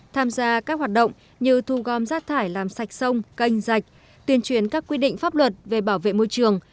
tham gia các hoạt động như thu gom rác thải làm sạch sông canh rạch tuyên truyền các quy định pháp luật về bảo vệ môi trường